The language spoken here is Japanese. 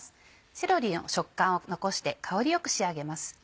セロリの食感を残して香りよく仕上げます。